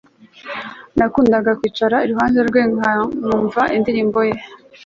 nakundaga kwicara iruhande rwe nkumva indirimbo ye